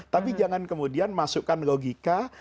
tapi jangan kemudian masukkan logika